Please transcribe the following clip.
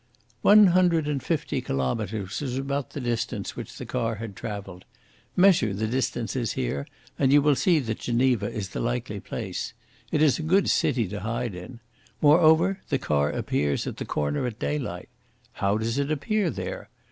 "One hundred and fifty kilometres was about the distance which the car had travelled. Measure the distances here, and you will see that Geneva is the likely place. It is a good city to hide in. Moreover the car appears at the corner at daylight. How does it appear there?